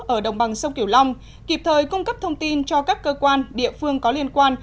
ở đồng bằng sông kiểu long kịp thời cung cấp thông tin cho các cơ quan địa phương có liên quan